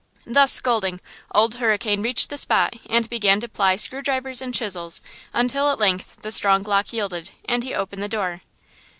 Thus scolding, Old Hurricane reached the spot and began to ply screw drivers and chisels until at length the strong lock yielded, and he opened the door.